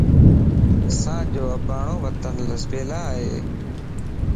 اسانجو اباڻون وطن لسيبلا ائي